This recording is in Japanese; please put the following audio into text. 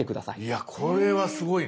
いやこれはすごいな！